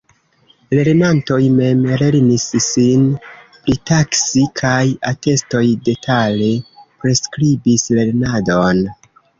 Lernantoj mem lernis sin pritaksi kaj atestoj detale priskribis lernadon.